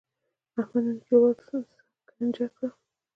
احمد نن کلیوال سکنجه کړل.